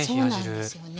そうなんですよね。